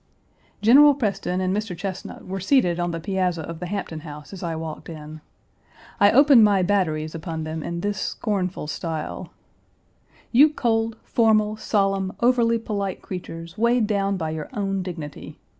General Preston and Mr. Chesnut were seated on the Page 208 piazza of the Hampton house as I walked in. I opened my batteries upon them in this scornful style: "You cold, formal, solemn, overly polite creatures, weighed down by your own dignity.